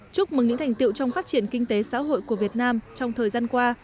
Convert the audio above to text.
chúc mừng những thành tiệu trong phát triển kinh tế xã hội của việt nam trong thời gian qua